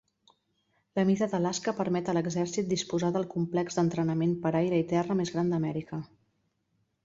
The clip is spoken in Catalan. La mida d'Alaska permet a l'exèrcit disposar del complex d'entrenament per aire i terra més gran d'Amèrica.